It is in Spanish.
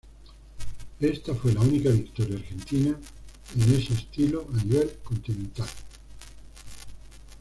Esta fue la única victoria argentina en ese estilo a nivel continental.